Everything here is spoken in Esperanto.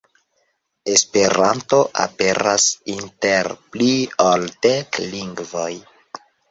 Esperanto aperas inter pli ol dek lingvoj.